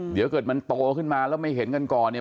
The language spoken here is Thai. เดี๋ยวเกิดมันโตขึ้นมาแล้วไม่เห็นกันก่อนเนี่ย